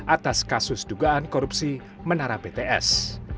atas kasus dugaan korupsi menara pts